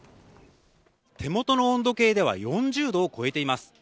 手元の温度計では４０度を超えています。